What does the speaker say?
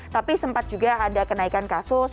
tapi sempat juga ada kenaikan kasus